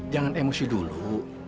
jangan emosi dulu